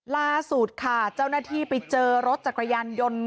ล่าสุดค่ะเจ้าหน้าที่ไปเจอรถจักรยานยนต์